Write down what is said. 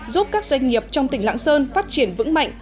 giúp các doanh nghiệp trong tỉnh lạng sơn phát triển vững mạnh